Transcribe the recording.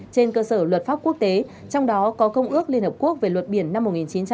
trên cơ sở luật pháp quốc tế trong đó có công ước liên hợp quốc về luật biển năm một nghìn chín trăm tám mươi hai